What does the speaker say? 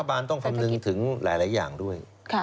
บานต้องคำนึงถึงหลายอย่างด้วย